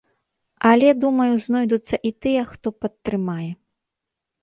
Але, думаю, знойдуцца і тыя, хто падтрымае.